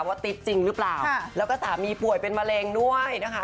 ติ๊ดจริงหรือเปล่าแล้วก็สามีป่วยเป็นมะเร็งด้วยนะคะ